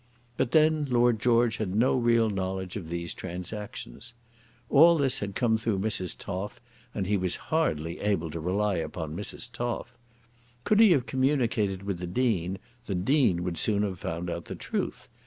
But then Lord George had no real knowledge of these transactions. All this had come through Mrs. Toff, and he was hardly able to rely upon Mrs. Toff. Could he have communicated with the Dean, the Dean would soon have found out the truth.